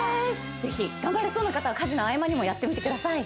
ぜひ頑張れそうな方は家事の合間にもやってみてください